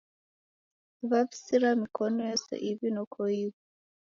Waw'usiria mikonu yose iw'i noko ighu.